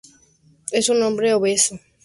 Es un hombre obeso, hermano de Charlotte.